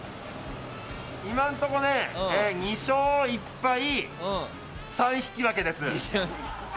今んとこね２勝１敗３引き分けです。